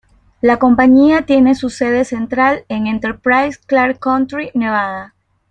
La compañía tiene su sede central en Enterprise, Clark County, Nevada.